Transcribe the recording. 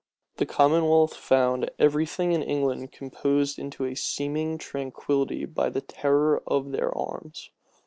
The commonwealth found every thing in England composed into a seeming tranquillity by the terror of their arms.